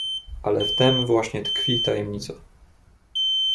"Ale w tem właśnie tkwi tajemnica."